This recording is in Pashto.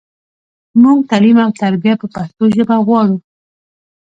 مونږ تعلیم او تربیه په پښتو ژبه غواړو